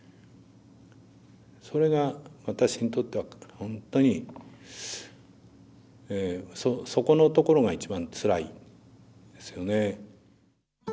それが私にとっては本当にそこのところが一番つらいですよね。